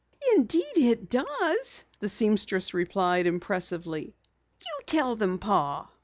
"Indeed, it does," the seamstress replied impressively. "You tell them, Pa."